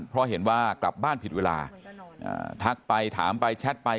เพราะเห็นว่ากลับบ้านผิดเวลาทักไปถามไปแชทไป